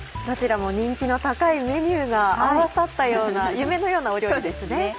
どちらも人気の高いメニューが合わさったような夢のようなお料理ですね。